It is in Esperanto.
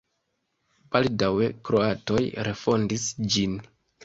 Baldaŭe kroatoj refondis ĝin.